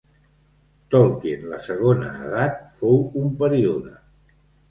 Tolkien la Segona Edat fou un període.